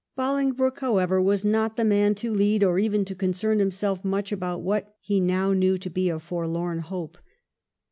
Bolingbroke, however, was not the man to lead or even to concern himself much about what he now knew to be a forlorn hope.